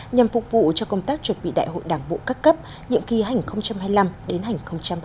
nhằm phục vụ cho công tác chuẩn bị đại hội đảng bộ các cấp nhiệm kỳ hành hai mươi năm đến hành ba mươi